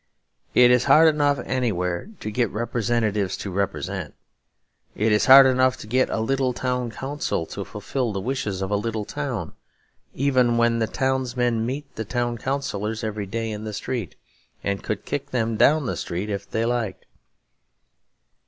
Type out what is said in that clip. It is hard enough anywhere to get representatives to represent. It is hard enough to get a little town council to fulfil the wishes of a little town, even when the townsmen meet the town councillors every day in the street, and could kick them down the street if they liked.